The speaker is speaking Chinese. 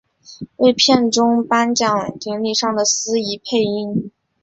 为片中颁奖典礼上的司仪配音。